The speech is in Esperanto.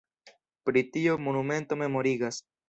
Pri tio monumento memorigas.